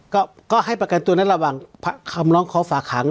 ก็ก็ให้ประกันตัวนั้นระหว่างคำร้องขอฝากหาง